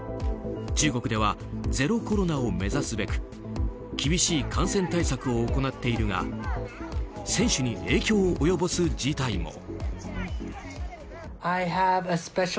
中国ではゼロコロナを目指すべく厳しい感染対策を行っているが選手に影響を及ぼす事態も。